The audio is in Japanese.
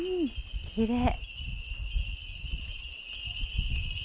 きれい。